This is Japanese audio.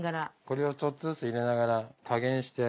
これをちょっとずつ入れながら加減して。